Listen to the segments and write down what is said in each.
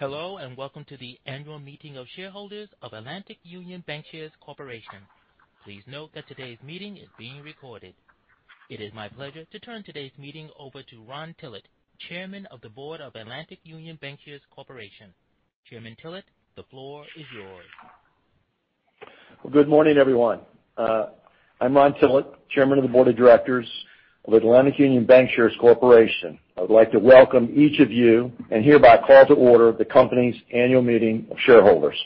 Hello, and welcome to the annual meeting of shareholders of Atlantic Union Bankshares Corporation. Please note that today's meeting is being recorded. It is my pleasure to turn today's meeting over to Ron Tillett, Chairman of the Board of Atlantic Union Bankshares Corporation. Chairman Tillett, the floor is yours. Good morning, everyone. I'm Ron Tillett, Chairman of the Board of Directors of Atlantic Union Bankshares Corporation. I would like to welcome each of you and hereby call to order the company's annual meeting of shareholders.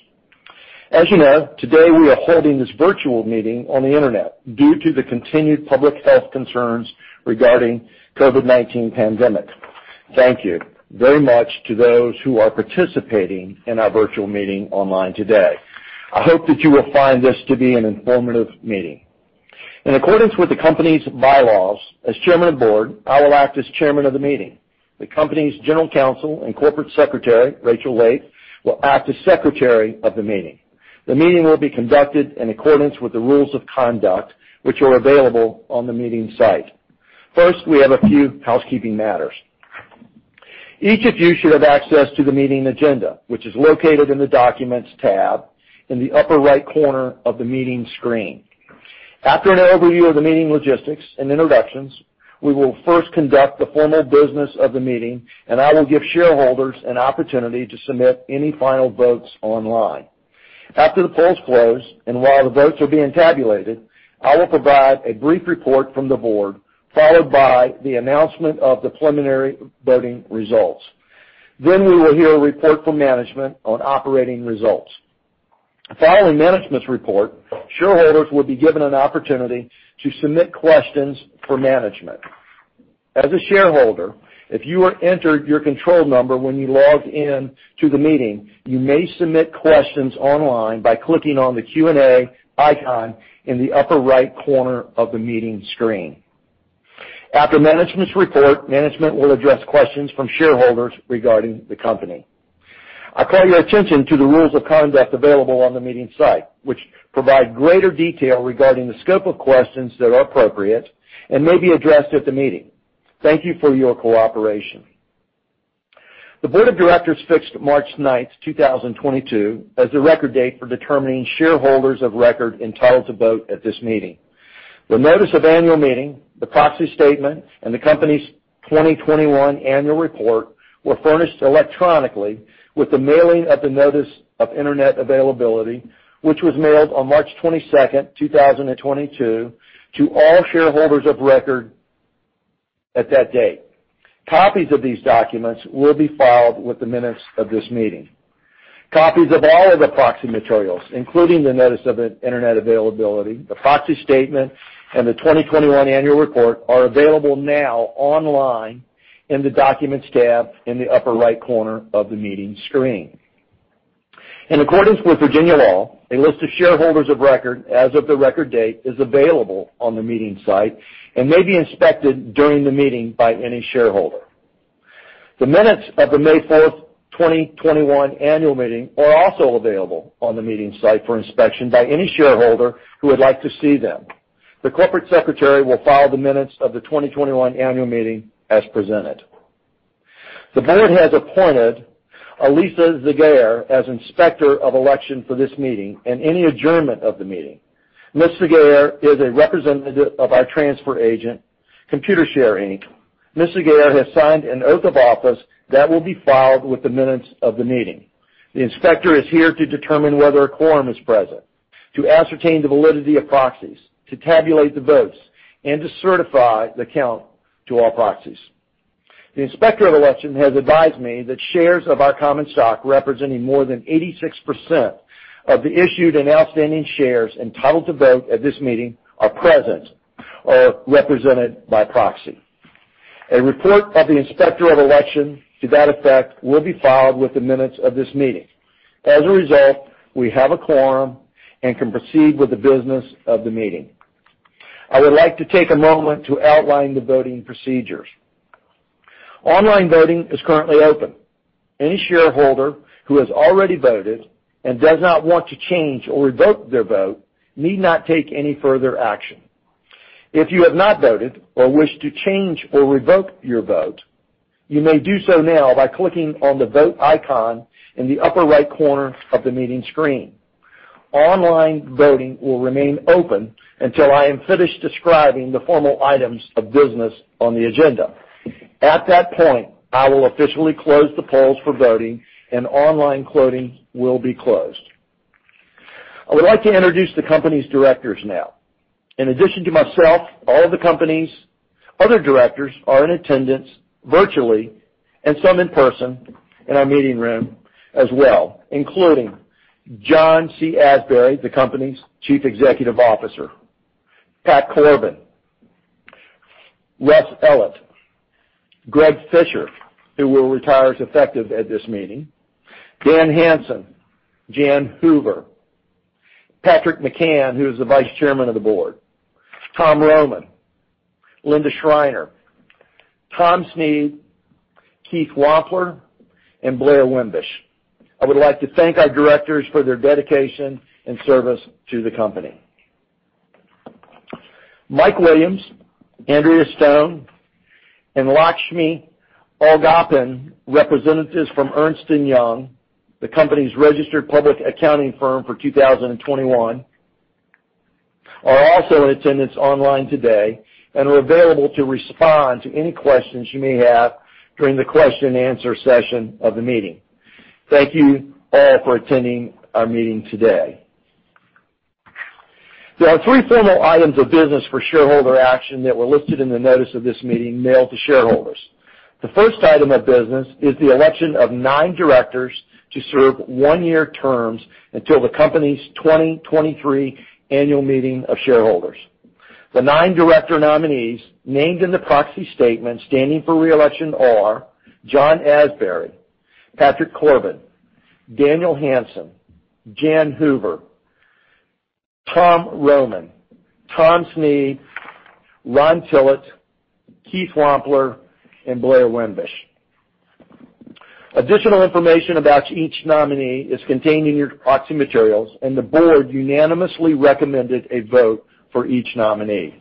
As you know, today we are holding this virtual meeting on the Internet due to the continued public health concerns regarding COVID-19 pandemic. Thank you very much to those who are participating in our virtual meeting online today. I hope that you will find this to be an informative meeting. In accordance with the company's bylaws, as Chairman of the Board, I will act as chairman of the meeting. The company's general counsel and corporate secretary, Rachael Lape, will act as secretary of the meeting. The meeting will be conducted in accordance with the rules of conduct, which are available on the meeting site. First, we have a few housekeeping matters. Each of you should have access to the meeting agenda, which is located in the Documents tab in the upper right corner of the meeting screen. After an overview of the meeting logistics and introductions, we will first conduct the formal business of the meeting, and I will give shareholders an opportunity to submit any final votes online. After the polls close, and while the votes are being tabulated, I will provide a brief report from the board, followed by the announcement of the preliminary voting results. Then we will hear a report from management on operating results. Following management's report, shareholders will be given an opportunity to submit questions for management. As a shareholder, if you entered your control number when you logged in to the meeting, you may submit questions online by clicking on the Q&A icon in the upper right corner of the meeting screen. After management's report, management will address questions from shareholders regarding the company. I call your attention to the rules of conduct available on the meeting site, which provide greater detail regarding the scope of questions that are appropriate and may be addressed at the meeting. Thank you for your cooperation. The Board of Directors fixed March 9th, 2022 as the record date for determining shareholders of record entitled to vote at this meeting. The notice of annual meeting, the proxy statement, and the company's 2021 annual report were furnished electronically with the mailing of the notice of internet availability, which was mailed on March 22nd, 2022 to all shareholders of record at that date. Copies of these documents will be filed with the minutes of this meeting. Copies of all of the proxy materials, including the notice of Internet availability, the proxy statement, and the 2021 annual report, are available now online in the Documents tab in the upper right corner of the meeting screen. In accordance with Virginia law, a list of shareholders of record as of the record date is available on the meeting site and may be inspected during the meeting by any shareholder. The minutes of the May 4, 2021 annual meeting are also available on the meeting site for inspection by any shareholder who would like to see them. The corporate secretary will file the minutes of the 2021 annual meeting as presented. The Board has appointed Elisa Zegarra as Inspector of Election for this meeting and any adjournment of the meeting. Ms. Zegarra is a representative of our transfer agent, Computershare. Ms. Zegarra has signed an oath of office that will be filed with the minutes of the meeting. The inspector is here to determine whether a quorum is present, to ascertain the validity of proxies, to tabulate the votes, and to certify the count to all proxies. The Inspector of Election has advised me that shares of our common stock representing more than 86% of the issued and outstanding shares entitled to vote at this meeting are present or represented by proxy. A report of the Inspector of Election to that effect will be filed with the minutes of this meeting. As a result, we have a quorum and can proceed with the business of the meeting. I would like to take a moment to outline the voting procedures. Online voting is currently open. Any shareholder who has already voted and does not want to change or revoke their vote need not take any further action. If you have not voted or wish to change or revoke your vote, you may do so now by clicking on the Vote icon in the upper right corner of the meeting screen. Online voting will remain open until I am finished describing the formal items of business on the agenda. At that point, I will officially close the polls for voting and online voting will be closed. I would like to introduce the company's directors now. In addition to myself, all the company's other directors are in attendance virtually and some in person in our meeting room as well, including John C. Asbury, the company's Chief Executive Officer, Pat Corbin, Russ Ellett, Greg Fisher, who will retire effective at this meeting, Dan Hanson, Jan Hoover, Patrick McCann, who is the Vice Chairman of the Board, Tom Rohman, Linda Schreiner, Tom Snead, Keith Wampler, and Blair Wimbush. I would like to thank our directors for their dedication and service to the company. Mike Williams, Andrea Stone, and Lakshmi Alagappan, representatives from Ernst & Young, the company's registered public accounting firm for 2021, are also in attendance online today and are available to respond to any questions you may have during the question and answer session of the meeting. Thank you all for attending our meeting today. There are three formal items of business for shareholder action that were listed in the notice of this meeting mailed to shareholders. The first item of business is the election of nine directors to serve one-year terms until the company's 2023 annual meeting of shareholders. The nine director nominees named in the proxy statement standing for re-election are John Asbury, Patrick Corbin, Daniel Hanson, Jan Hoover, Tom Rohman, Tom Snead, Ron Tillett, Keith Wampler, and Blair Wimbush. Additional information about each nominee is contained in your proxy materials, and the Board unanimously recommended a vote for each nominee.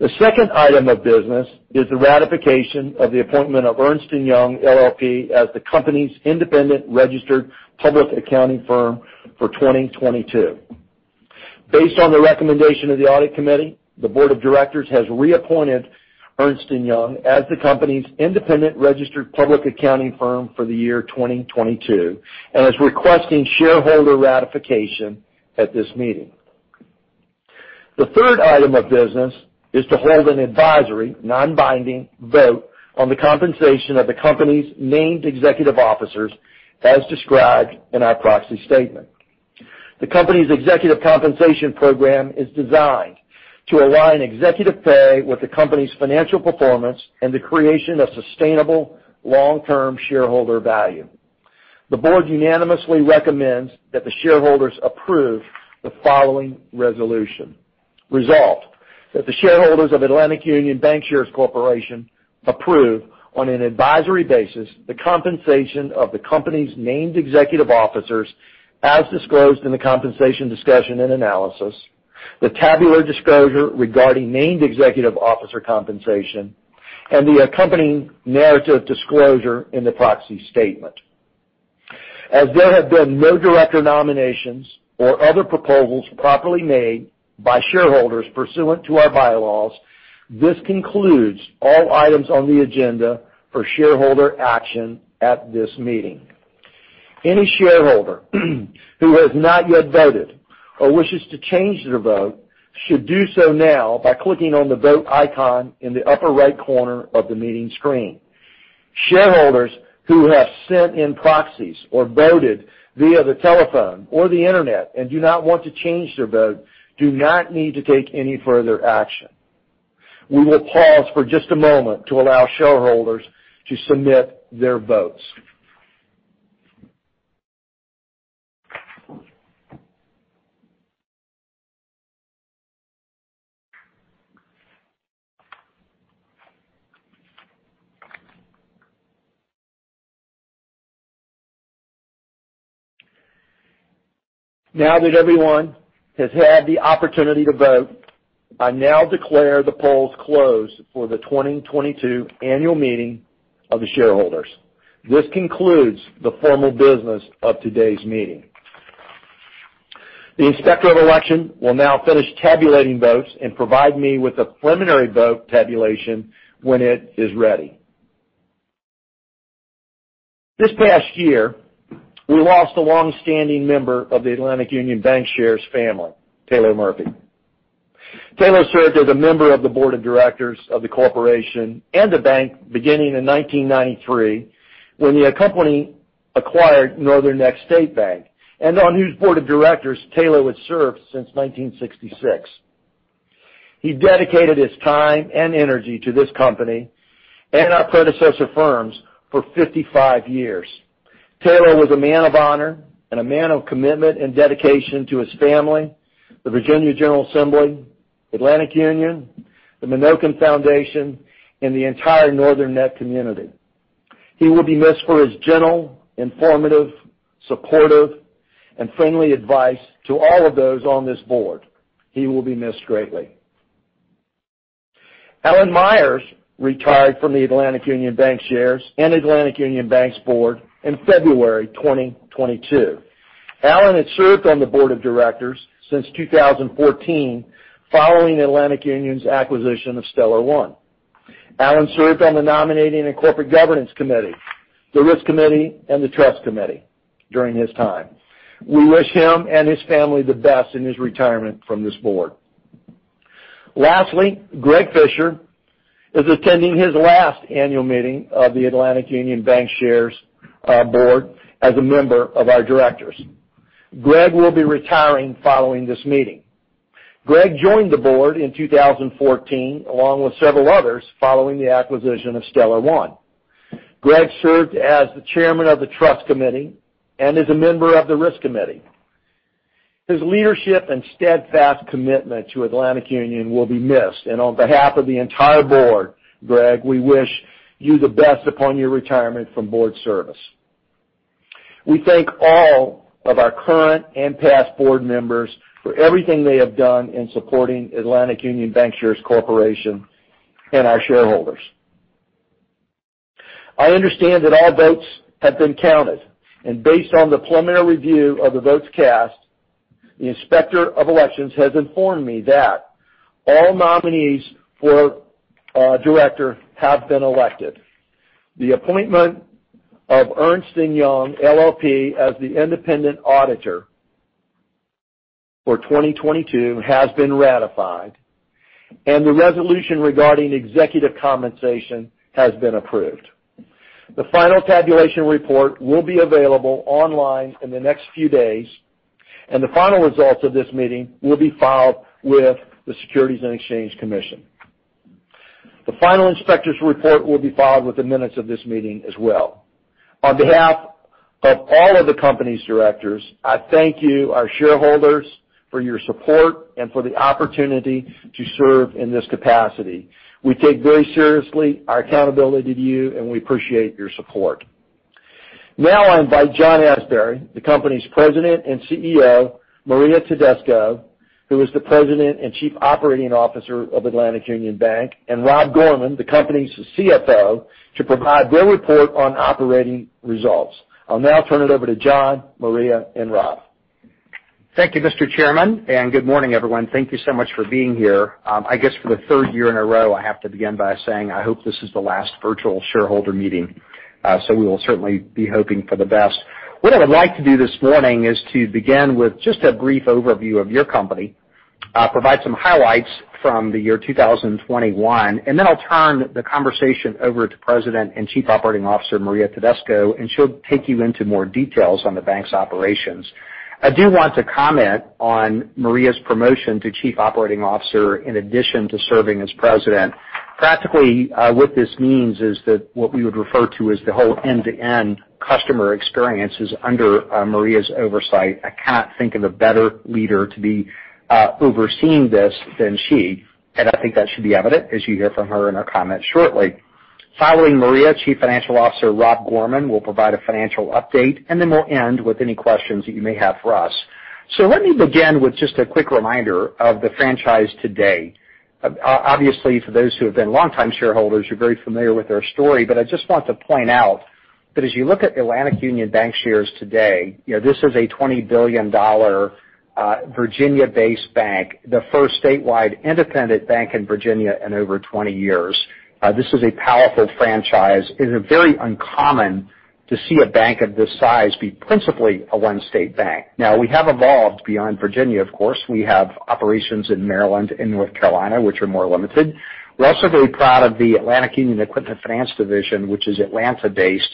The second item of business is the ratification of the appointment of Ernst & Young LLP as the company's independent registered public accounting firm for 2022. Based on the recommendation of the audit committee, the Board of directors has reappointed Ernst & Young as the company's independent registered public accounting firm for the year-2022 and is requesting shareholder ratification at this meeting. The third item of business is to hold an advisory, non-binding vote on the compensation of the company's named executive officers as described in our proxy statement. The company's executive compensation program is designed to align executive pay with the company's financial performance and the creation of sustainable long-term shareholder value. The Board unanimously recommends that the shareholders approve the following resolution. Resolved, that the shareholders of Atlantic Union Bankshares Corporation approve, on an advisory basis, the compensation of the company's named executive officers as disclosed in the compensation discussion and analysis, the tabular disclosure regarding named executive officer compensation, and the accompanying narrative disclosure in the proxy statement. As there have been no director nominations or other proposals properly made by shareholders pursuant to our bylaws, this concludes all items on the agenda for shareholder action at this meeting. Any shareholder who has not yet voted or wishes to change their vote should do so now by clicking on the Vote icon in the upper right corner of the meeting screen. Shareholders who have sent in proxies or voted via the telephone or the internet and do not want to change their vote do not need to take any further action. We will pause for just a moment to allow shareholders to submit their votes. Now that everyone has had the opportunity to vote, I now declare the polls closed for the 2022 annual meeting of the shareholders. This concludes the formal business of today's meeting. The inspector of election will now finish tabulating votes and provide me with a preliminary vote tabulation when it is ready. This past year, we lost a longstanding member of the Atlantic Union Bankshares family, Taylor Murphy. Taylor served as a member of the Board of Directors of the corporation and the bank beginning in 1993, when the company acquired Northern Neck State Bank, and on whose Board of Directors, Taylor had served since 1966. He dedicated his time and energy to this company and our predecessor firms for 55 years. Taylor was a man of honor and a man of commitment and dedication to his family, the Virginia General Assembly, Atlantic Union, the Monacan Foundation, and the entire Northern Neck community. He will be missed for his gentle, informative, supportive, and friendly advice to all of those on this Board. He will be missed greatly. Alan Myers retired from the Atlantic Union Bankshares and Atlantic Union Bank's board in February 2022. Alan had served on the Board of Directors since 2014, following Atlantic Union's acquisition of StellarOne. Alan served on the Nominating and Corporate Governance Committee, the Risk Committee, and the Trust Committee during his time. We wish him and his family the best in his retirement from this Board. Lastly, Greg Fisher is attending his last annual meeting of the Atlantic Union Bankshares board as a member of our directors. Greg will be retiring following this meeting. Greg joined the Board in 2014, along with several others, following the acquisition of StellarOne. Greg served as the chairman of the Trust Committee and is a member of the Risk Committee. His leadership and steadfast commitment to Atlantic Union will be missed, and on behalf of the entire Board, Greg, we wish you the best upon your retirement from board service. We thank all of our current and past board members for everything they have done in supporting Atlantic Union Bankshares Corporation and our shareholders. I understand that all votes have been counted, and based on the preliminary review of the votes cast, the Inspector of Elections has informed me that all nominees for director have been elected. The appointment of Ernst & Young LLP as the independent auditor for 2022 has been ratified, and the resolution regarding executive compensation has been approved. The final tabulation report will be available online in the next few days, and the final results of this meeting will be filed with the Securities and Exchange Commission. The final inspector's report will be filed with the minutes of this meeting as well. On behalf of all of the company's directors, I thank you, our shareholders, for your support and for the opportunity to serve in this capacity. We take very seriously our accountability to you, and we appreciate your support. Now, I invite John Asbury, the company's President and CEO, Maria Tedesco, who is the President and Chief Operating Officer of Atlantic Union Bank, and Rob Gorman, the company's CFO, to provide their report on operating results. I'll now turn it over to John, Maria, and Rob. Thank you, Mr. Chairman, and good morning, everyone. Thank you so much for being here. I guess for the third year in a row, I have to begin by saying I hope this is the last virtual shareholder meeting, so we will certainly be hoping for the best. What I would like to do this morning is to begin with just a brief overview of your company, provide some highlights from the year 2021, and then I'll turn the conversation over to President and Chief Operating Officer, Maria Tedesco, and she'll take you into more details on the bank's operations. I do want to comment on Maria's promotion to Chief Operating Officer, in addition to serving as president. Practically, what this means is that what we would refer to as the whole end-to-end customer experience is under Maria's oversight. I cannot think of a better leader to be overseeing this than she, and I think that should be evident as you hear from her in her comments shortly. Following Maria, Chief Financial Officer Rob Gorman will provide a financial update, and then we'll end with any questions that you may have for us. Let me begin with just a quick reminder of the franchise today. Obviously, for those who have been longtime shareholders, you're very familiar with our story, but I just want to point out that as you look at Atlantic Union Bankshares today, you know, this is a $20 billion Virginia-based bank, the first statewide independent bank in Virginia in over 20 years. This is a powerful franchise. It is very uncommon to see a bank of this size be principally a one-state bank. Now, we have evolved beyond Virginia, of course. We have operations in Maryland and North Carolina, which are more limited. We're also very proud of the Atlantic Union Equipment Finance division, which is Atlanta-based,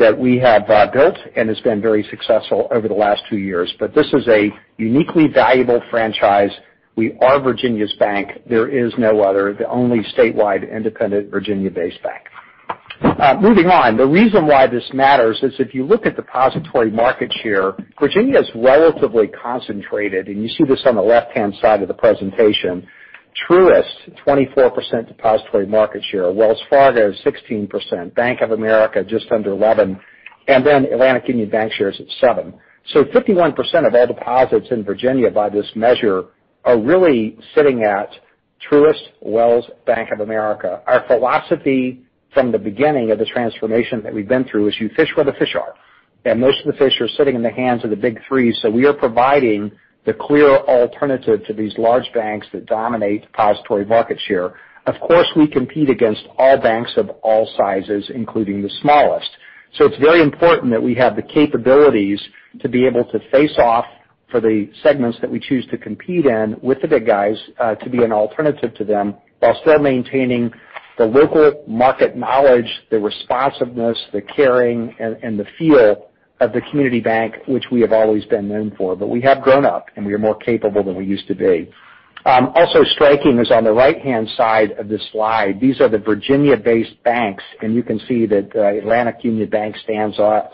that we have built and has been very successful over the last two years. This is a uniquely valuable franchise. We are Virginia's bank. There is no other. The only statewide independent Virginia-based bank. Moving on. The reason why this matters is if you look at depository market share, Virginia is relatively concentrated, and you see this on the left-hand side of the presentation. Truist, 24% depository market share. Wells Fargo, 16%. Bank of America, just under 11%, and then Atlantic Union Bankshares at 7%. So 51% of all deposits in Virginia by this measure are really sitting at Truist, Wells Fargo, Bank of America. Our philosophy from the beginning of the transformation that we've been through is you fish where the fish are, and most of the fish are sitting in the hands of the big three, so we are providing the clear alternative to these large banks that dominate depository market share. Of course, we compete against all banks of all sizes, including the smallest. It's very important that we have the capabilities to be able to face off for the segments that we choose to compete in with the big guys, to be an alternative to them while still maintaining the local market knowledge, the responsiveness, the caring and the feel of the community bank, which we have always been known for. We have grown up, and we are more capable than we used to be. Also striking is on the right-hand side of this slide, these are the Virginia-based banks, and you can see that, Atlantic Union Bank stands out,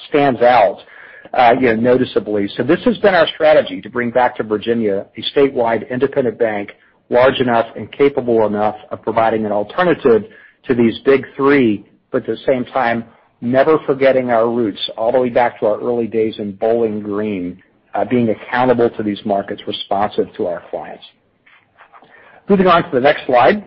you know, noticeably. This has been our strategy to bring back to Virginia a statewide independent bank, large enough and capable enough of providing an alternative to these big three, but at the same time, never forgetting our roots all the way back to our early days in Bowling Green, being accountable to these markets, responsive to our clients. Moving on to the next slide.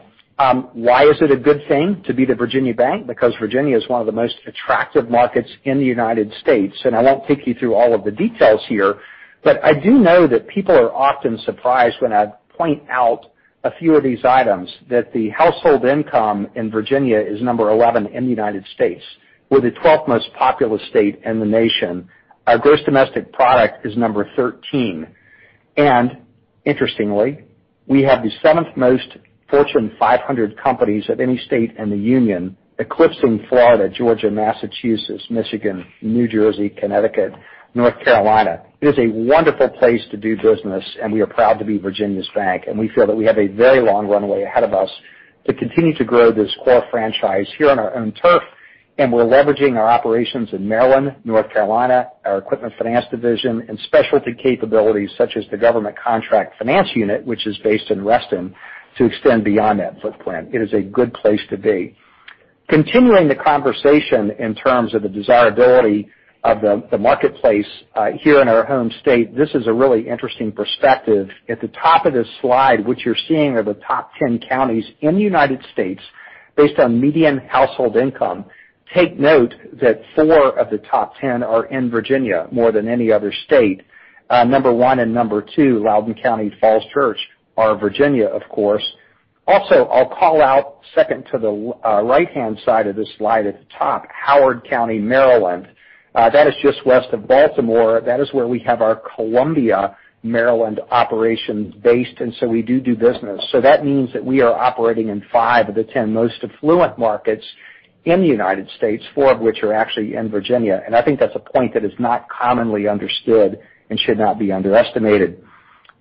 Why is it a good thing to be the Virginia Bank? Because Virginia is one of the most attractive markets in the United States. I won't take you through all of the details here, but I do know that people are often surprised when I point out a few of these items, that the household income in Virginia is 11th in the United States. We're the 12th most populous state in the nation. Our gross domestic product is 13th. Interestingly, we have the 7th most Fortune 500 companies of any state in the union, eclipsing Florida, Georgia, Massachusetts, Michigan, New Jersey, Connecticut, North Carolina. It is a wonderful place to do business, and we are proud to be Virginia's bank, and we feel that we have a very long runway ahead of us to continue to grow this core franchise here on our own turf. We're leveraging our operations in Maryland, North Carolina, our equipment finance division, and specialty capabilities such as the government contract finance unit, which is based in Reston, to extend beyond that footprint. It is a good place to be. Continuing the conversation in terms of the desirability of the marketplace here in our home state, this is a really interesting perspective. At the top of this slide, what you're seeing are the top 10 counties in the United States based on median household income. Take note that four of the top 10 are in Virginia, more than any other state. Number one and number two, Loudoun County, Falls Church, are Virginia, of course. Also, I'll call out second to the right-hand side of this slide at the top, Howard County, Maryland. That is just west of Baltimore. That is where we have our Columbia, Maryland operations based, and so we do business. That means that we are operating in five of the 10 most affluent markets in the United States, four of which are actually in Virginia. I think that's a point that is not commonly understood and should not be underestimated.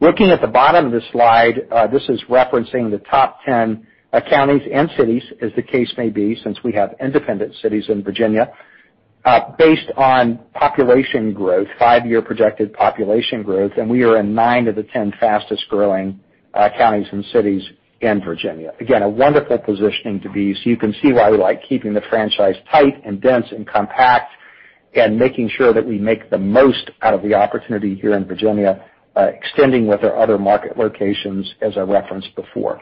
Looking at the bottom of the slide, this is referencing the top 10 counties and cities, as the case may be, since we have independent cities in Virginia, based on population growth, five-year projected population growth, and we are in nine of the 10 fastest growing counties and cities in Virginia. Again, a wonderful positioning to be. You can see why we like keeping the franchise tight and dense and compact and making sure that we make the most out of the opportunity here in Virginia, extending with our other market locations, as I referenced before.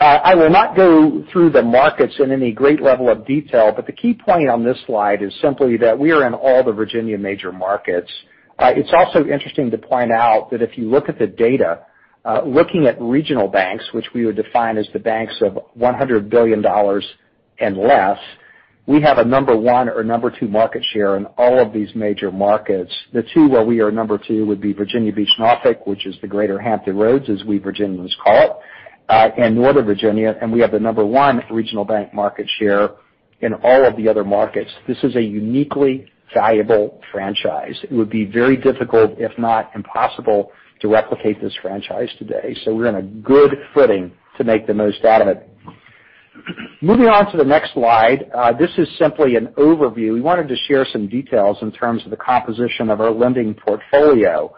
I will not go through the markets in any great level of detail, but the key point on this slide is simply that we are in all the Virginia major markets. It's also interesting to point out that if you look at the data, looking at regional banks, which we would define as the banks of $100 billion and less, we have a number one or number two market share in all of these major markets. The two where we are number two would be Virginia Beach, Norfolk, which is the greater Hampton Roads, as we Virginians call it, and Northern Virginia, and we have the number one regional bank market share in all of the other markets. This is a uniquely valuable franchise. It would be very difficult, if not impossible, to replicate this franchise today. We're in a good footing to make the most out of it. Moving on to the next slide. This is simply an overview. We wanted to share some details in terms of the composition of our lending portfolio.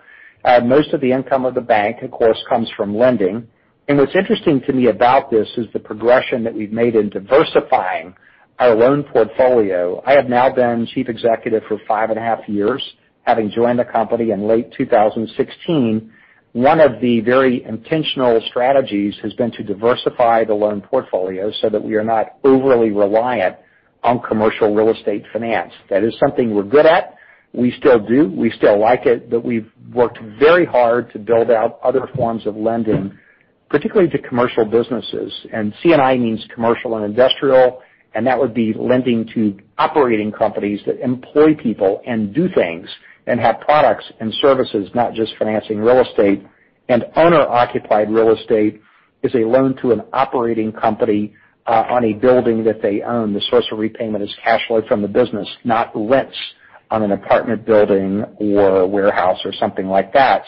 Most of the income of the bank, of course, comes from lending. What's interesting to me about this is the progression that we've made in diversifying our loan portfolio. I have now been chief executive for five and a half years, having joined the company in late 2016. One of the very intentional strategies has been to diversify the loan portfolio so that we are not overly reliant on commercial real estate finance. That is something we're good at. We still do. We still like it, but we've worked very hard to build out other forms of lending, particularly to commercial businesses. C&I means commercial and industrial, and that would be lending to operating companies that employ people and do things and have products and services, not just financing real estate. Owner-occupied real estate is a loan to an operating company, on a building that they own. The source of repayment is cash flow from the business, not rents on an apartment building or a warehouse or something like that.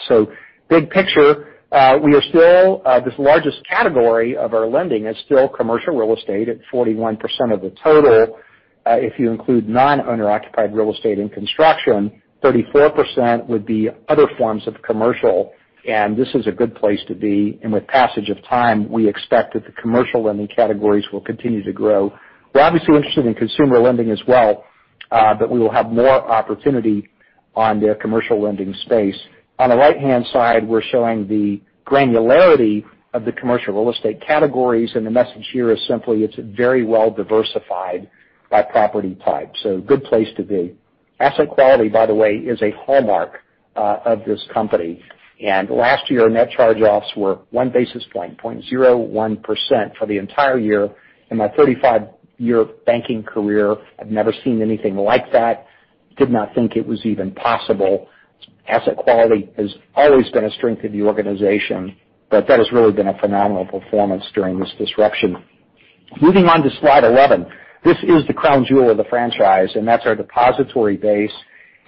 Big picture, we are still, this largest category of our lending is still commercial real estate at 41% of the total. If you include non-owner-occupied real estate and construction, 34% would be other forms of commercial, and this is a good place to be. With passage of time, we expect that the commercial lending categories will continue to grow. We're obviously interested in consumer lending as well, but we will have more opportunity on the commercial lending space. On the right-hand side, we're showing the granularity of the commercial real estate categories, and the message here is simply it's very well diversified by property type. Good place to be. Asset quality, by the way, is a hallmark of this company. Last year, net charge-offs were 1 basis point, 0.01% for the entire year. In my 35-year banking career, I've never seen anything like that. Did not think it was even possible. Asset quality has always been a strength of the organization, but that has really been a phenomenal performance during this disruption. Moving on to slide 11. This is the crown jewel of the franchise, and that's our depository base.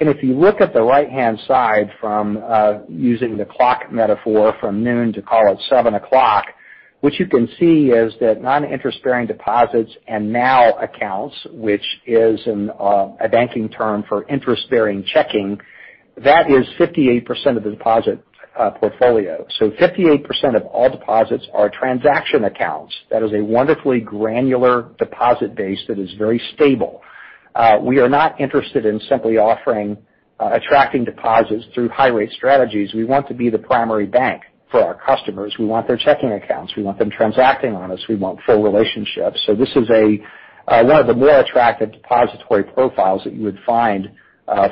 If you look at the right-hand side from using the clock metaphor from noon to call it seven o'clock, what you can see is that non-interest bearing deposits and NOW accounts, which is a banking term for interest-bearing checking, that is 58% of the deposit portfolio. 58% of all deposits are transaction accounts. That is a wonderfully granular deposit base that is very stable. We are not interested in simply offering, attracting deposits through high rate strategies. We want to be the primary bank for our customers. We want their checking accounts. We want them transacting on us. We want full relationships. This is a one of the more attractive depository profiles that you would find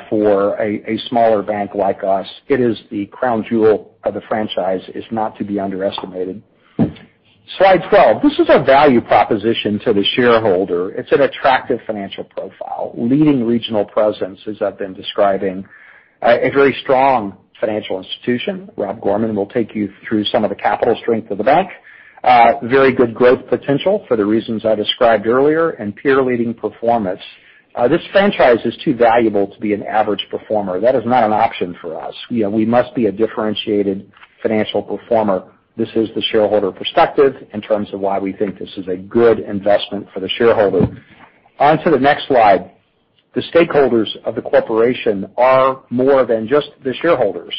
for a smaller bank like us. It is the crown jewel of the franchise. It's not to be underestimated. Slide 12. This is our value proposition to the shareholder. It's an attractive financial profile. Leading regional presence, as I've been describing. A very strong financial institution. Rob Gorman will take you through some of the capital strength of the bank. Very good growth potential for the reasons I described earlier and peer leading performance. This franchise is too valuable to be an average performer. That is not an option for us. You know, we must be a differentiated financial performer. This is the shareholder perspective in terms of why we think this is a good investment for the shareholder. On to the next slide. The stakeholders of the corporation are more than just the shareholders.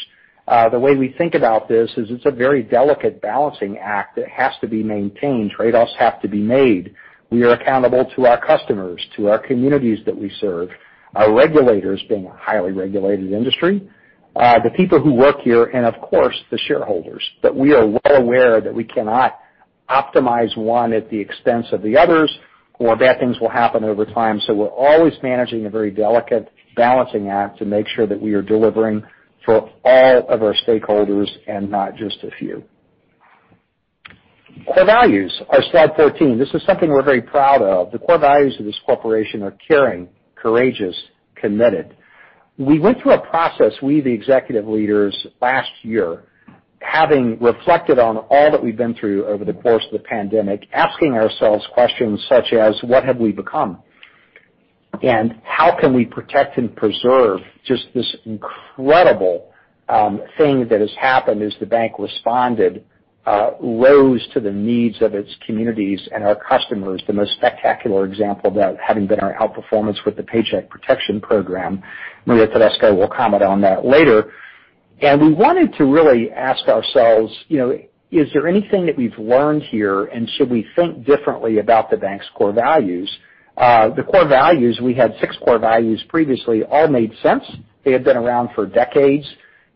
The way we think about this is it's a very delicate balancing act that has to be maintained. Trade-offs have to be made. We are accountable to our customers, to our communities that we serve, our regulators, being a highly regulated industry, the people who work here, and of course, the shareholders. We are well aware that we cannot optimize one at the expense of the others or bad things will happen over time. We're always managing a very delicate balancing act to make sure that we are delivering for all of our stakeholders and not just a few. Core values are slide 14. This is something we're very proud of. The core values of this corporation are caring, courageous, committed. We went through a process, we the executive leaders, last year, having reflected on all that we've been through over the course of the pandemic, asking ourselves questions such as, "What have we become?" And how can we protect and preserve just this incredible, thing that has happened as the bank responded, rose to the needs of its communities and our customers, the most spectacular example of that having been our outperformance with the Paycheck Protection Program. Maria Tedesco will comment on that later. We wanted to really ask ourselves, you know, is there anything that we've learned here, and should we think differently about the bank's core values? The core values, we had six core values previously, all made sense. They had been around for decades,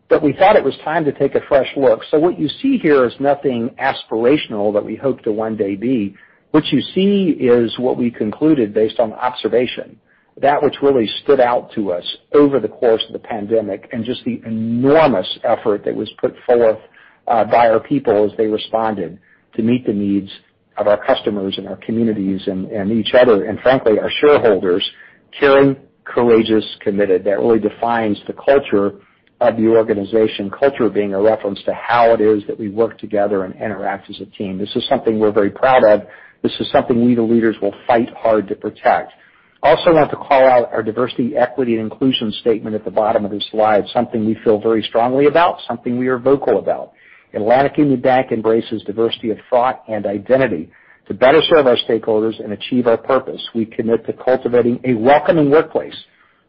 but we thought it was time to take a fresh look. What you see here is nothing aspirational that we hope to one day be. What you see is what we concluded based on observation. That which really stood out to us over the course of the pandemic and just the enormous effort that was put forth by our people as they responded to meet the needs of our customers and our communities and each other, and frankly, our shareholders. Caring, courageous, committed. That really defines the culture of the organization. Culture being a reference to how it is that we work together and interact as a team. This is something we're very proud of. This is something we, the leaders, will fight hard to protect. Also want to call out our diversity, equity, and inclusion statement at the bottom of this slide, something we feel very strongly about, something we are vocal about. Atlantic Union Bank embraces diversity of thought and identity to better serve our stakeholders and achieve our purpose. We commit to cultivating a welcoming workplace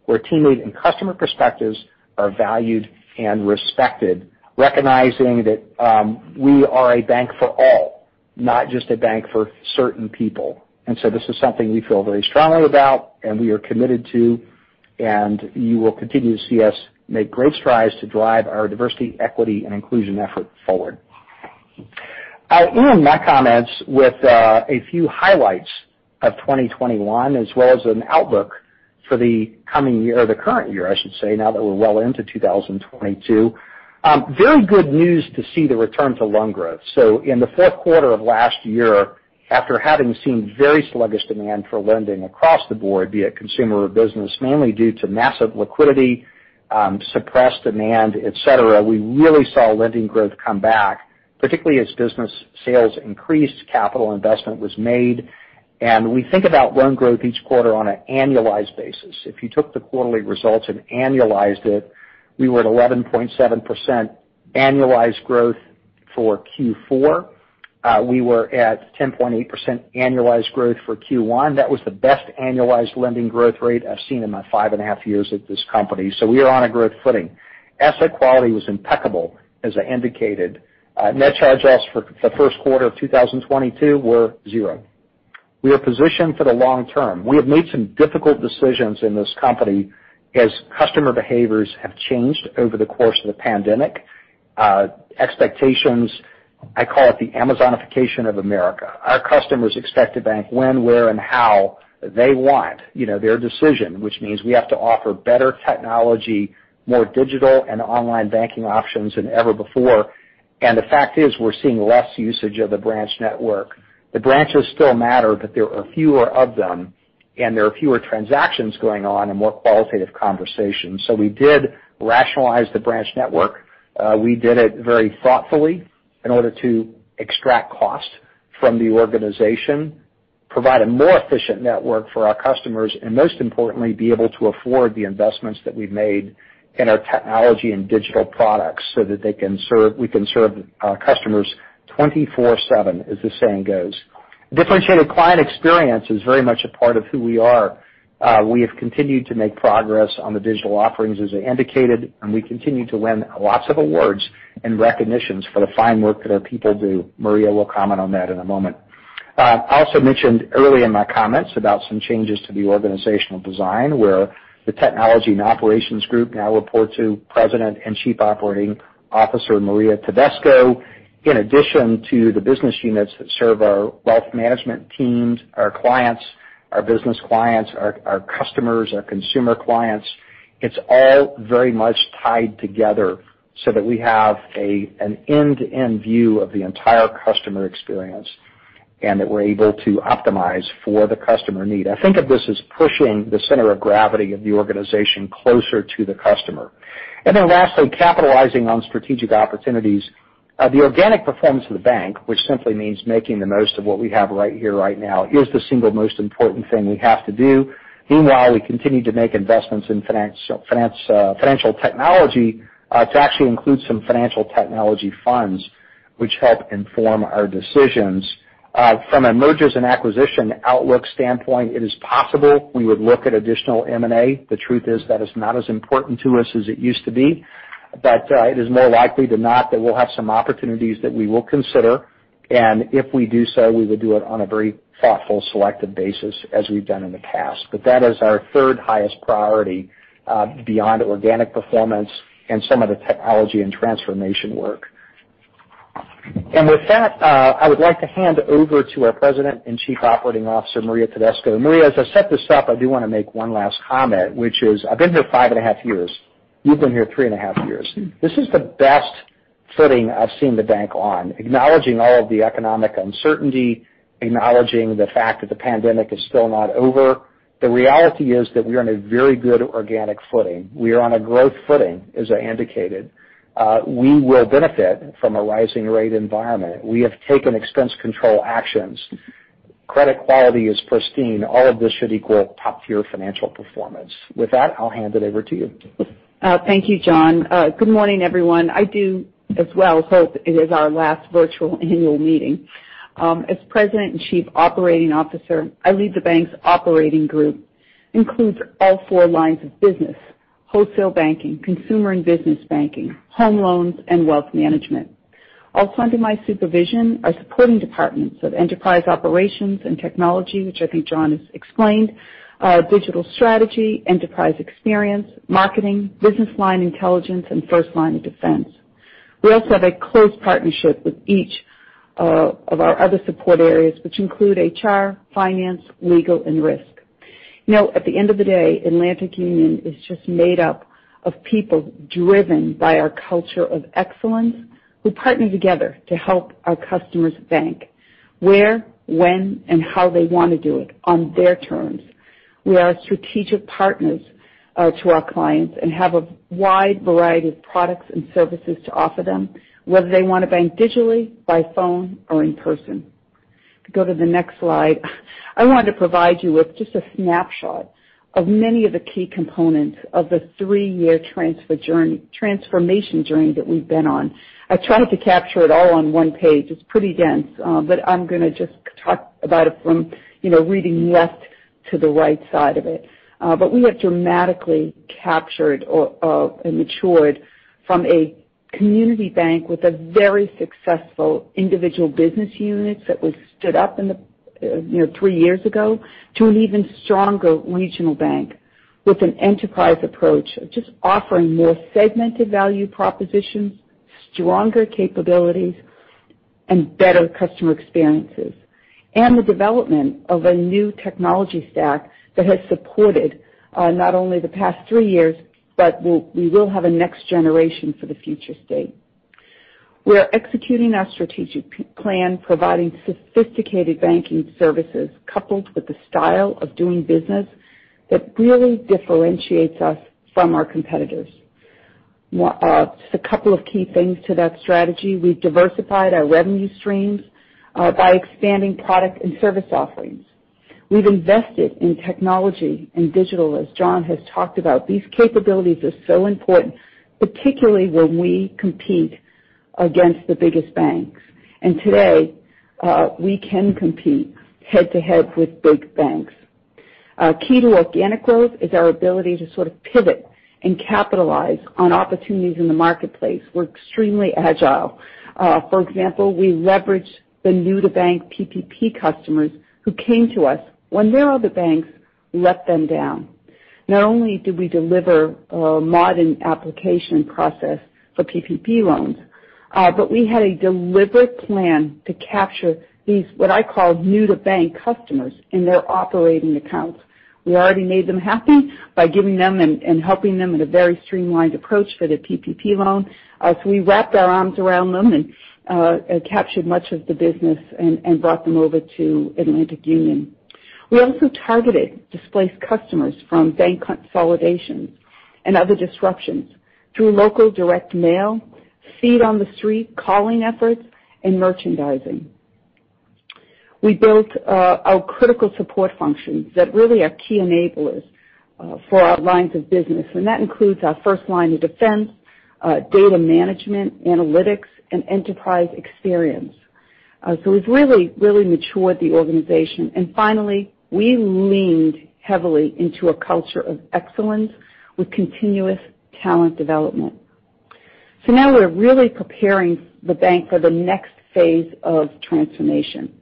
where teammate and customer perspectives are valued and respected, recognizing that, we are a bank for all, not just a bank for certain people. This is something we feel very strongly about and we are committed to, and you will continue to see us make great strides to drive our diversity, equity, and inclusion effort forward. I'll end my comments with, a few highlights of 2021 as well as an outlook for the coming year, or the current year, I should say, now that we're well into 2022. Very good news to see the return to loan growth. In the fourth quarter of last year, after having seen very sluggish demand for lending across the board, be it consumer or business, mainly due to massive liquidity, suppressed demand, et cetera, we really saw lending growth come back, particularly as business sales increased, capital investment was made. We think about loan growth each quarter on an annualized basis. If you took the quarterly results and annualized it, we were at 11.7% annualized growth for Q4. We were at 10.8% annualized growth for Q1. That was the best annualized lending growth rate I've seen in my five and a half years at this company. We are on a growth footing. Asset quality was impeccable, as I indicated. Net charge-offs for the first quarter of 2022 were zero. We are positioned for the long term. We have made some difficult decisions in this company as customer behaviors have changed over the course of the pandemic. Expectations, I call it the Amazonification of America. Our customers expect to bank when, where, and how they want, you know, their decision, which means we have to offer better technology, more digital and online banking options than ever before. The fact is we're seeing less usage of the branch network. The branches still matter, but there are fewer of them, and there are fewer transactions going on and more qualitative conversations. We did rationalize the branch network. We did it very thoughtfully in order to extract costs from the organization, provide a more efficient network for our customers, and most importantly, be able to afford the investments that we've made in our technology and digital products so that we can serve our customers 24/7, as the saying goes. Differentiated client experience is very much a part of who we are. We have continued to make progress on the digital offerings, as I indicated, and we continue to win lots of awards and recognitions for the fine work that our people do. Maria will comment on that in a moment. I also mentioned early in my comments about some changes to the organizational design, where the technology and operations group now report to President and Chief Operating Officer Maria Tedesco, in addition to the business units that serve our wealth management teams, our clients, our business clients, our customers, our consumer clients. It's all very much tied together so that we have an end-to-end view of the entire customer experience and that we're able to optimize for the customer need. I think of this as pushing the center of gravity of the organization closer to the customer. Lastly, capitalizing on strategic opportunities. The organic performance of the bank, which simply means making the most of what we have right here, right now, is the single most important thing we have to do. Meanwhile, we continue to make investments in finance, financial technology, to actually include some financial technology funds, which help inform our decisions. From a mergers and acquisition outlook standpoint, it is possible we would look at additional M&A. The truth is that is not as important to us as it used to be. It is more likely than not that we'll have some opportunities that we will consider. If we do so, we will do it on a very thoughtful, selective basis as we've done in the past. That is our third highest priority, beyond organic performance and some of the technology and transformation work. With that, I would like to hand over to our President and Chief Operating Officer, Maria Tedesco. Maria, as I set this up, I do wanna make one last comment, which is, I've been here five and a half years. You've been here three and a half years. This is the best footing I've seen the bank on, acknowledging all of the economic uncertainty, acknowledging the fact that the pandemic is still not over. The reality is that we are in a very good organic footing. We are on a growth footing, as I indicated. We will benefit from a rising rate environment. We have taken expense control actions. Credit quality is pristine. All of this should equal top-tier financial performance. With that, I'll hand it over to you. Thank you, John. Good morning, everyone. I do as well hope it is our last virtual annual meeting. As President and Chief Operating Officer, I lead the bank's operating group, includes all four lines of business, wholesale banking, consumer and business banking, home loans, and wealth management. Also under my supervision are supporting departments of enterprise operations and technology, which I think John has explained, digital strategy, enterprise experience, marketing, business line intelligence, and first line of defense. We also have a close partnership with each, of our other support areas, which include HR, finance, legal, and risk. You know, at the end of the day, Atlantic Union is just made up of people driven by our culture of excellence who partner together to help our customers bank where, when, and how they wanna do it on their terms. We are strategic partners to our clients and have a wide variety of products and services to offer them, whether they wanna bank digitally, by phone, or in person. To go to the next slide, I wanted to provide you with just a snapshot of many of the key components of the three-year transformation journey that we've been on. I tried to capture it all on one page. It's pretty dense, but I'm gonna just talk about it from, you know, reading left to the right side of it. We have dramatically captured and matured from a community bank with a very successful individual business units that was stood up in the three years ago to an even stronger regional bank with an enterprise approach of just offering more segmented value propositions, stronger capabilities, and better customer experiences, and the development of a new technology stack that has supported not only the past three years, but we will have a next generation for the future state. We're executing our strategic plan, providing sophisticated banking services coupled with the style of doing business that really differentiates us from our competitors. Just a couple of key things to that strategy. We've diversified our revenue streams by expanding product and service offerings. We've invested in technology and digital, as John has talked about. These capabilities are so important, particularly when we compete against the biggest banks. Today, we can compete head to head with big banks. Key to organic growth is our ability to sort of pivot and capitalize on opportunities in the marketplace. We're extremely agile. For example, we leverage the new to bank PPP customers who came to us when their other banks let them down. Not only did we deliver a modern application process for PPP loans, but we had a deliberate plan to capture these, what I call new to bank customers in their operating accounts. We already made them happy by giving them and helping them with a very streamlined approach for their PPP loan. We wrapped our arms around them and captured much of the business and brought them over to Atlantic Union. We also targeted displaced customers from bank consolidations and other disruptions through local direct mail, feet on the street calling efforts, and merchandising. We built our critical support functions that really are key enablers for our lines of business, and that includes our first line of defense data management, analytics, and enterprise experience. It's really, really matured the organization. Finally, we leaned heavily into a culture of excellence with continuous talent development. Now we're really preparing the bank for the next phase of transformation.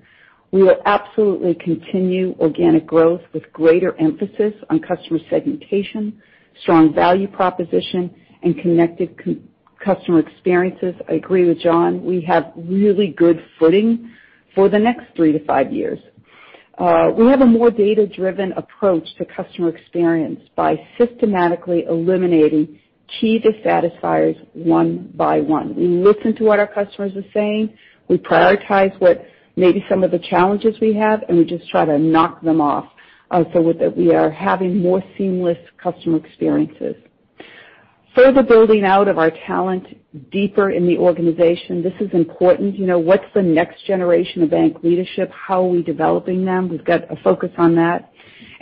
We will absolutely continue organic growth with greater emphasis on customer segmentation, strong value proposition, and connected customer experiences. I agree with John, we have really good footing for the next three to five years. We have a more data-driven approach to customer experience by systematically eliminating key dissatisfiers one by one. We listen to what our customers are saying. We prioritize what may be some of the challenges we have, and we just try to knock them off, so with that we are having more seamless customer experiences. Further building out of our talent deeper in the organization, this is important. You know, what's the next generation of bank leadership? How are we developing them? We've got a focus on that.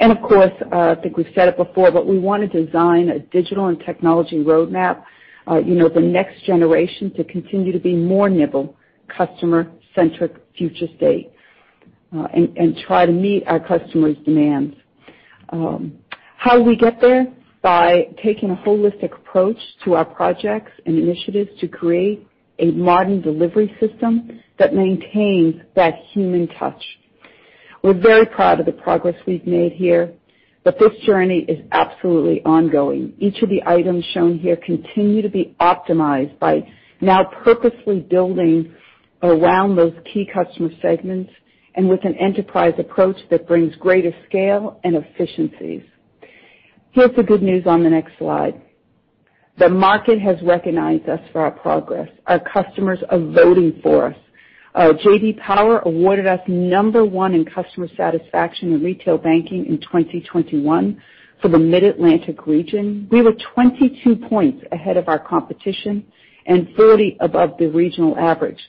Of course, I think we've said it before, but we wanna design a digital and technology roadmap, you know, the next generation to continue to be more nimble, customer-centric future state, and try to meet our customers' demands. How do we get there? By taking a holistic approach to our projects and initiatives to create a modern delivery system that maintains that human touch. We're very proud of the progress we've made here, but this journey is absolutely ongoing. Each of the items shown here continue to be optimized by now purposefully building around those key customer segments and with an enterprise approach that brings greater scale and efficiencies. Here's the good news on the next slide. The market has recognized us for our progress. Our customers are voting for us. J.D. Power awarded us number one in customer satisfaction in retail banking in 2021 for the Mid-Atlantic region. We were 22 points ahead of our competition and 40 above the regional average.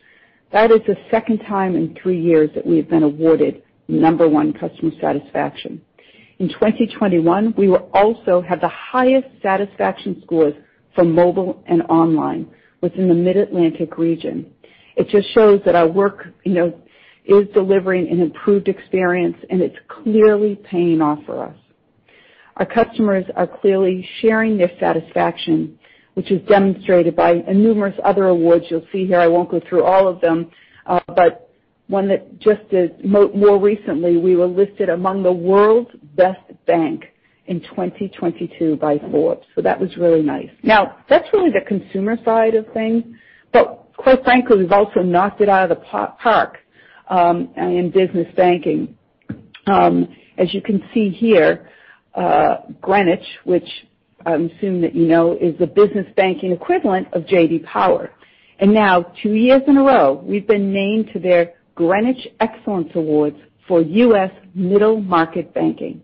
That is the second time in three years that we have been awarded number one customer satisfaction. In 2021, we will also have the highest satisfaction scores for mobile and online within the Mid-Atlantic region. It just shows that our work, you know, is delivering an improved experience, and it's clearly paying off for us. Our customers are clearly sharing their satisfaction, which is demonstrated by a numerous other awards you'll see here. I won't go through all of them, but one that just is more recently, we were listed among the world's best bank in 2022 by Forbes. That was really nice. Now that's really the consumer side of things, but quite frankly, we've also knocked it out of the park in business banking. As you can see here, Greenwich, which I assume that you know, is the business banking equivalent of J.D. Power. Now, two years in a row, we've been named to their Greenwich Excellence Awards for US Middle Market Banking.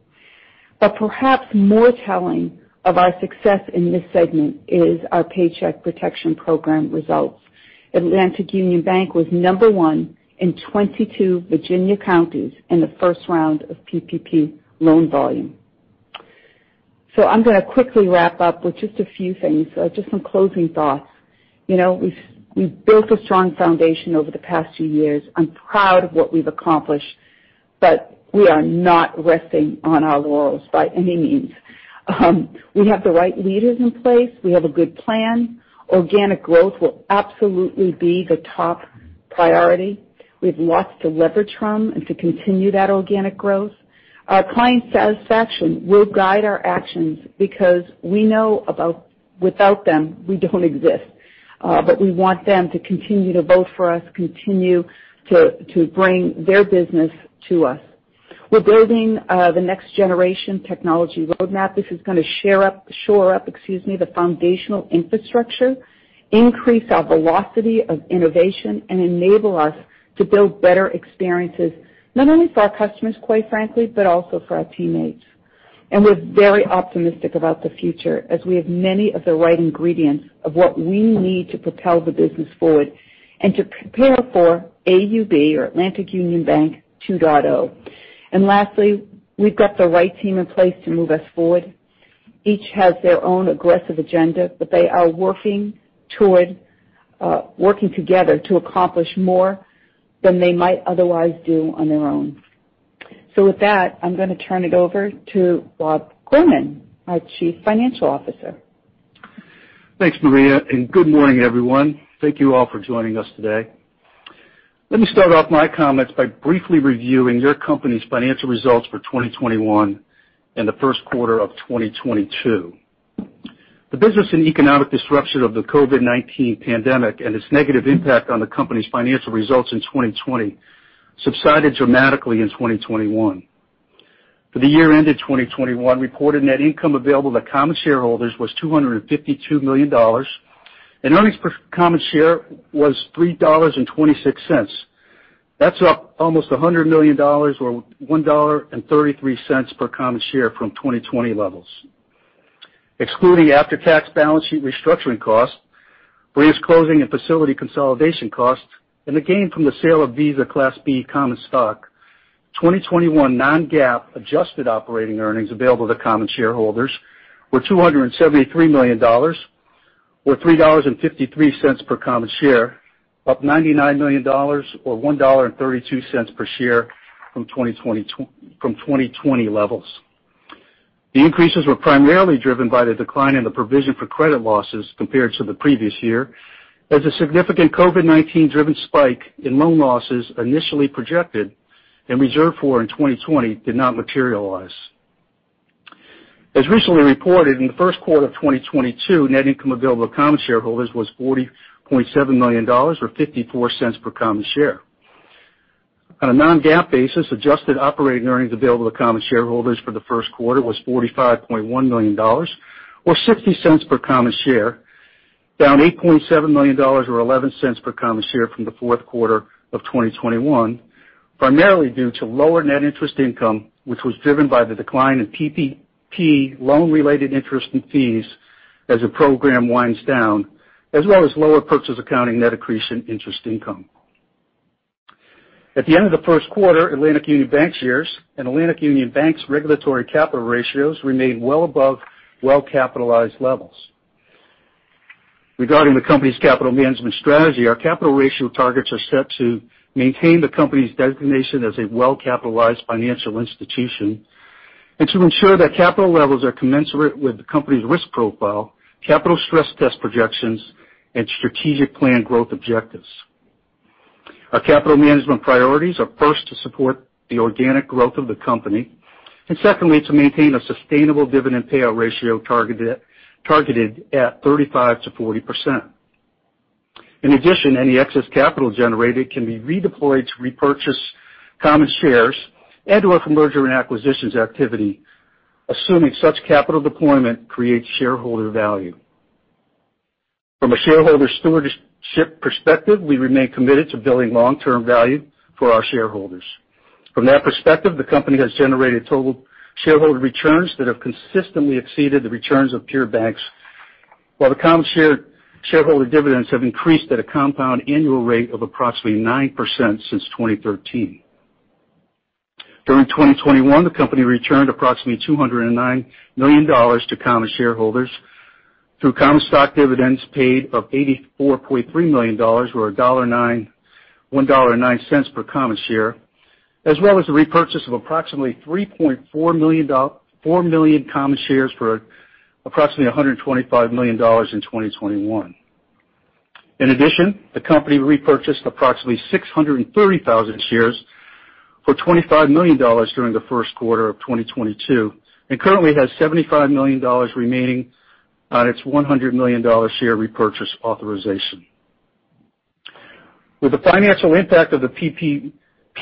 Perhaps more telling of our success in this segment is our Paycheck Protection Program results. Atlantic Union Bank was number one in 22 Virginia counties in the first round of PPP loan volume. I'm gonna quickly wrap up with just a few things. Just some closing thoughts. We've built a strong foundation over the past few years. I'm proud of what we've accomplished, but we are not resting on our laurels by any means. We have the right leaders in place. We have a good plan. Organic growth will absolutely be the top priority. We have lots to leverage from and to continue that organic growth. Our client satisfaction will guide our actions because we know without them, we don't exist, but we want them to continue to vote for us, continue to bring their business to us. We're building the next generation technology roadmap. This is gonna shore up, excuse me, the foundational infrastructure, increase our velocity of innovation, and enable us to build better experiences, not only for our customers, quite frankly, but also for our teammates. We're very optimistic about the future as we have many of the right ingredients of what we need to propel the business forward and to prepare for AUB or Atlantic Union Bank 2.0. Lastly, we've got the right team in place to move us forward. Each has their own aggressive agenda, but they are working toward working together to accomplish more than they might otherwise do on their own. With that, I'm gonna turn it over to Rob Gorman, our Chief Financial Officer. Thanks, Maria, and good morning, everyone. Thank you all for joining us today. Let me start off my comments by briefly reviewing your company's financial results for 2021 and the first quarter of 2022. The business and economic disruption of the COVID-19 pandemic and its negative impact on the company's financial results in 2020 subsided dramatically in 2021. For the year ended 2021, reported net income available to common shareholders was $252 million, and earnings per common share was $3.26. That's up almost $100 million or $1.33 per common share from 2020 levels. Excluding after-tax balance sheet restructuring costs, branch closing and facility consolidation costs, and the gain from the sale of Visa Class B common stock, 2021 non-GAAP adjusted operating earnings available to common shareholders were $273 million or $3.53 per common share, up $99 million or $1.32 per share from 2020 levels. The increases were primarily driven by the decline in the provision for credit losses compared to the previous year, as a significant COVID-19 driven spike in loan losses initially projected and reserved for in 2020 did not materialize. As recently reported, in the first quarter of 2022, net income available to common shareholders was $40.7 million or $0.54 per common share. On a non-GAAP basis, adjusted operating earnings available to common shareholders for the first quarter was $45.1 million or $0.60 per common share, down $8.7 million or $0.11 per common share from the fourth quarter of 2021, primarily due to lower net interest income, which was driven by the decline in PPP loan-related interest and fees as the program winds down, as well as lower purchase accounting net accretion interest income. At the end of the first quarter, Atlantic Union Bankshares shares and Atlantic Union Bank's regulatory capital ratios remained well above well-capitalized levels. Regarding the company's capital management strategy, our capital ratio targets are set to maintain the company's designation as a well-capitalized financial institution and to ensure that capital levels are commensurate with the company's risk profile, capital stress test projections, and strategic plan growth objectives. Our capital management priorities are, first, to support the organic growth of the company, and secondly, to maintain a sustainable dividend payout ratio targeted at 35%-40%. In addition, any excess capital generated can be redeployed to repurchase common shares and/or for mergers and acquisitions activity, assuming such capital deployment creates shareholder value. From a shareholder stewardship perspective, we remain committed to building long-term value for our shareholders. From that perspective, the company has generated total shareholder returns that have consistently exceeded the returns of peer banks, while the common shareholder dividends have increased at a compound annual rate of approximately 9% since 2013. During 2021, the company returned approximately $209 million to common shareholders through common stock dividends paid of $84.3 million, or $1.09 per common share, as well as the repurchase of approximately four million common shares for approximately $125 million in 2021. In addition, the company repurchased approximately 630,000 shares for $25 million during the first quarter of 2022, and currently has $75 million remaining on its $100 million share repurchase authorization. With the financial impact of the PPP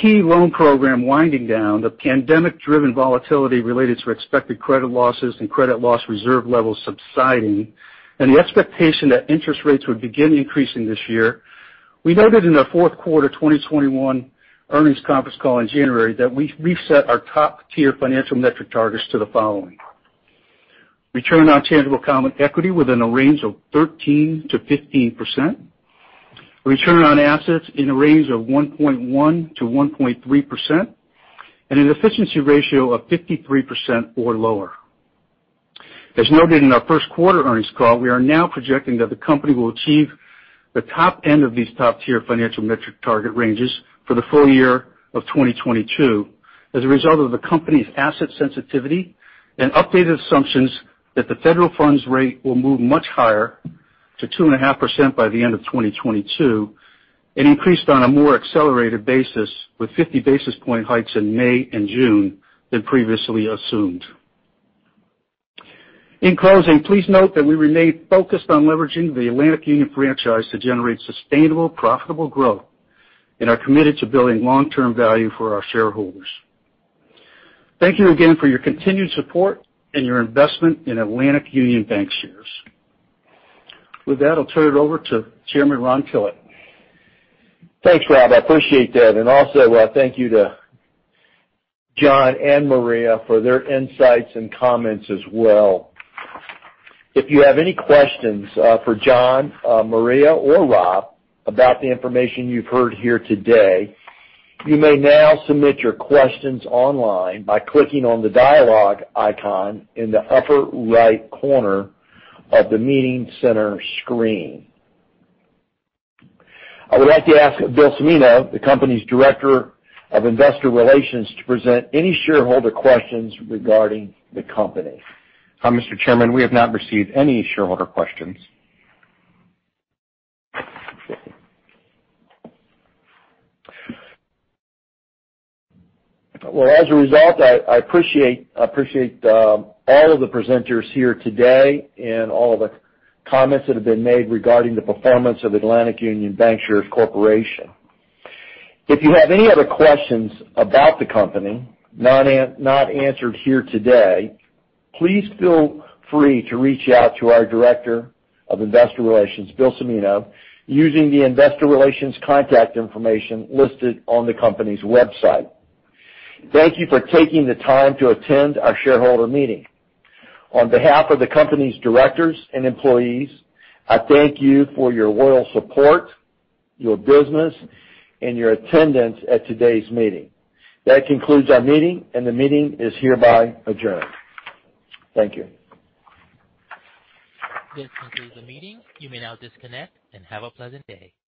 loan program winding down, the pandemic-driven volatility related to expected credit losses and credit loss reserve levels subsiding, and the expectation that interest rates would begin increasing this year, we noted in the fourth quarter 2021 earnings conference call in January that we've reset our top-tier financial metric targets to the following, return on tangible common equity within a range of 13%-15%, return on assets in a range of 1.1%-1.3%, and an efficiency ratio of 53% or lower. As noted in our first quarter earnings call, we are now projecting that the company will achieve the top end of these top-tier financial metric target ranges for the full year of 2022 as a result of the company's asset sensitivity and updated assumptions that the federal funds rate will move much higher to 2.5% by the end of 2022 and increased on a more accelerated basis with 50 basis point hikes in May and June than previously assumed. In closing, please note that we remain focused on leveraging the Atlantic Union franchise to generate sustainable, profitable growth and are committed to building long-term value for our shareholders. Thank you again for your continued support and your investment in Atlantic Union Bank shares. With that, I'll turn it over to Chairman Ron Tillett. Thanks, Rob. I appreciate that. Thank you to John and Maria for their insights and comments as well. If you have any questions for John, Maria, or Rob about the information you've heard here today, you may now submit your questions online by clicking on the dialogue icon in the upper right corner of the meeting center screen. I would like to ask Bill Cimino, the company's Director of Investor Relations, to present any shareholder questions regarding the company. Mr. Chairman, we have not received any shareholder questions. Well, as a result, I appreciate all of the presenters here today and all the comments that have been made regarding the performance of Atlantic Union Bankshares Corporation. If you have any other questions about the company not answered here today, please feel free to reach out to our Director of Investor Relations, Bill Cimino, using the investor relations contact information listed on the company's website. Thank you for taking the time to attend our shareholder meeting. On behalf of the company's directors and employees, I thank you for your loyal support, your business, and your attendance at today's meeting. That concludes our meeting, and the meeting is hereby adjourned. Thank you. This concludes the meeting. You may now disconnect and have a pleasant day.